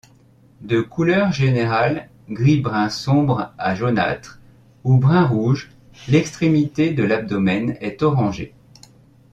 De couleur générale gris-brun sombre à jaunâtre, ou brun-rouge, l'extrémité de l'abdomen est orangé.